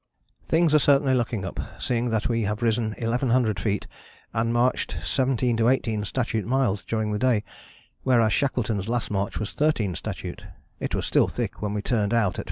"Things are certainly looking up, seeing that we have risen 1100 feet, and marched 17 to 18 statute miles during the day, whereas Shackleton's last march was 13 statute. It was still thick when we turned out at 5.